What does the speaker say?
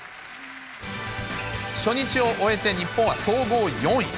初日を終えて日本は総合４位。